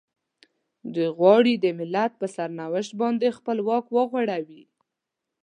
دوی غواړي د ملت پر سرنوشت باندې خپل واک وغوړوي.